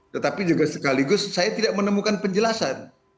tetapi juga sekaligus saya tidak menemukan penjelasan